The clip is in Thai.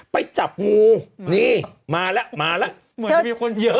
ไปจับงูนี่มาแล้วมาแล้วเหมือนจะมีคนเยอะ